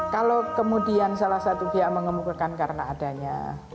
kalau kemudian salah satu pihak mengemukakan karena adanya